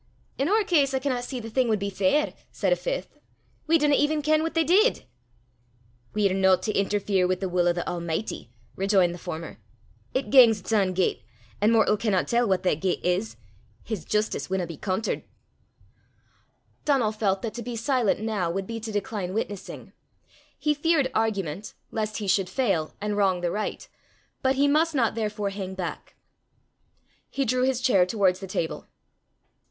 "In oor case, I canna see the thing wad be fair," said a fifth: "we dinna even ken what they did!" "We're no to interfere wi' the wull o' the Almichty," rejoined the former. "It gangs its ain gait, an' mortal canna tell what that gait is. His justice winna be contert." Donal felt that to be silent now would be to decline witnessing. He feared argument, lest he should fail and wrong the right, but he must not therefore hang back. He drew his chair towards the table.